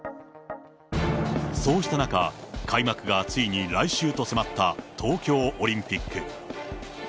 そうした中、開幕がついに来週と迫った東京オリンピック。